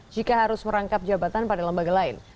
jika harus merangkap jabatan pada lembaga lain